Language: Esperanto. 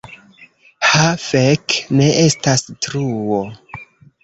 Ha fek' ne estas truo!